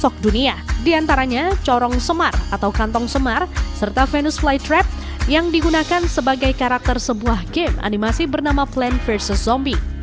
kantong sumar atau kantong sumar serta venus flytrap yang digunakan sebagai karakter sebuah game animasi bernama plants vs zombie